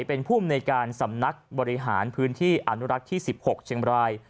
เป็นภูมิในการสำนักบริหารพื้นที่อนุรักษ์ที่๑๖เชียงบราย